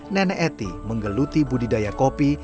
nenek eti menggeluti budidaya kopi